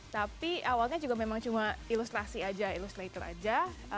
tapi awalnya juga memang cuma ilustrasi aja ilustlator aja